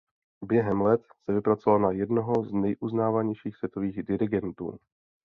Během let se vypracoval na jednoho z nejuznávanějších světových dirigentů.